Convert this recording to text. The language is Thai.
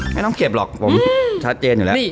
ไม่ต้องเก็บหรอกผมชัดเจนอยู่แล้ว